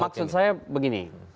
maksud saya begini